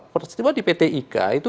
peristiwa di pt ika itu